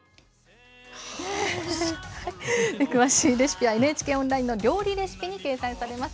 詳しいレシピはＮＨＫオンラインの料理レシピに掲載されます。